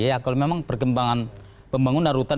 ya kalau memang perkembangan pembangunan rutan